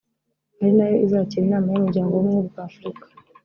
ari na yo izakira inama y’Umuryango w’Ubumwe bwa Afurika